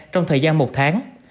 trong thời gian một tháng